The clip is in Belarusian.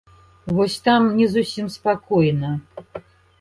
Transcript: Вось там не зусім спакойна.